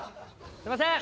すいません！